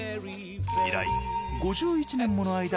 以来５１年ものあいだ